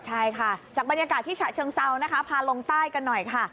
ใช่ค่ะจากบรรยากาศที่ฉะเชิงเซานะคะพาลงใต้กันหน่อยค่ะ